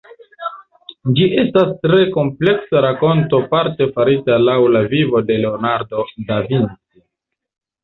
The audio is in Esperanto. Ĝi estas tre kompleksa rakonto parte farita laŭ la vivo de Leonardo da Vinci.